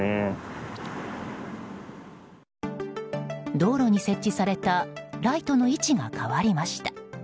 道路に設置されたライトの位置が変わりました。